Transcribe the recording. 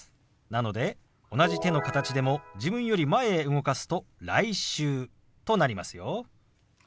なので同じ手の形でも自分より前へ動かすと「来週」となりますよ。